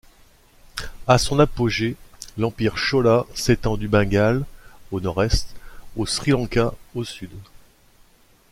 À son apogée, l'empire Chola s'étend du Bengale, au nord-est, au Sri-Lanka au sud.